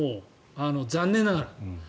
残念ながら。